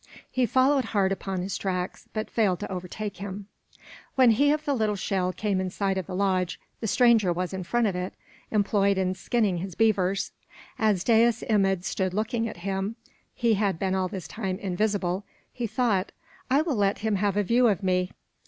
He followed hard upon his tracks but failed to overtake him. When He of the Little Shell came in sight of the lodge, the stranger was in front of it, employed in skinning his beavers. As Dais Imid stood looking at him he had been all this time invisible he thought: "I will let him have a view of me."